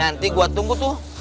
nanti gue tunggu tuh